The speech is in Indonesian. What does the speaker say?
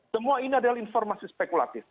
semua ini adalah informasi spekulatif